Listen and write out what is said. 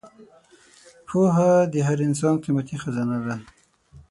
پوهه د هر انسان قیمتي خزانه ده.